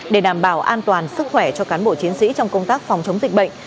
để đảm bảo an toàn sức khỏe cho cán bộ chiến sĩ trong công tác phòng chống dịch bệnh